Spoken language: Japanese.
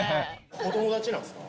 お友達なんすか？